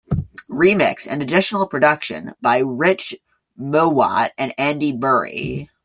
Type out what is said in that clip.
Remix and additional production by Rich Mowatt and Andy Bury.